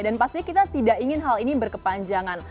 dan pasti kita tidak ingin hal ini berkepanjangan